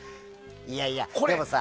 いやいや、でもさ。